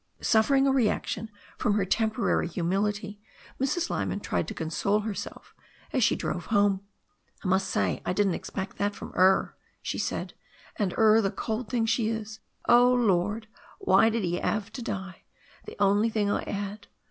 Suffering a reaction from her temporary humility, Mrs. Lyman tried to console herself as she drove home. "I must say I didn't expect that from 'er," she said, "and 'cr the cold thing she is. Oh, Lord ! Why did 'e 'ave to die? The only thing I 'ad.